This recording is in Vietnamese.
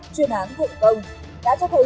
chuyên án thượng công đã cho thấy